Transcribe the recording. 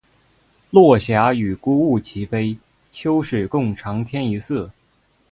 落霞与孤鹜齐飞，秋水共长天一色